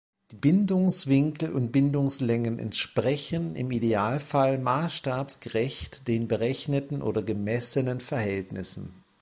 Die Bindungswinkel und Bindungslängen entsprechen im Idealfall maßstabsgerecht den berechneten oder gemessenen Verhältnissen.